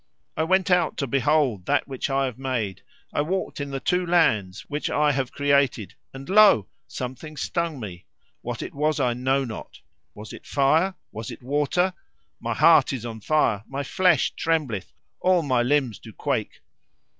I went out to behold that which I have made, I walked in the two lands which I have created, and lo! something stung me. What it was, I know not. Was it fire? was it water? My heart is on fire, my flesh trembleth, all my limbs do quake.